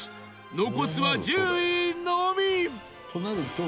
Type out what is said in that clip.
残すは、１０位のみ！